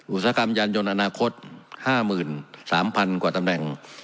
อุตสาหกรรมยานยนต์อนาคตห้าหมื่นสามพันกว่าตำแหน่ง